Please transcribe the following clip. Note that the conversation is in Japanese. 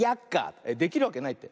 えっできるわけないって？